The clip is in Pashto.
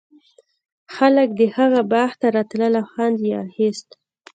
خلک د هغه باغ ته راتلل او خوند یې اخیست.